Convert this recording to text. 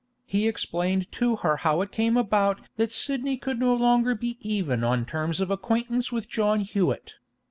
He explained to her how it came about that Sidney could no longer be even on terms of acquaintance with John Hewett.